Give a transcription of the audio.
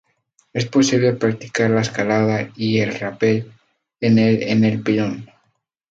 Es posible practicar la escalada y el rappel en el en el pilón.